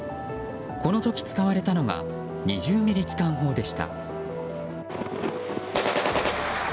この時使われたのが２０ｍｍ機関砲でした。